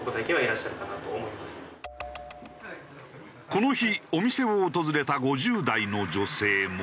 この日お店を訪れた５０代の女性も。